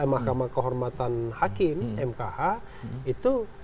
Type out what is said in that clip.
mahkamah kehormatan hakim itu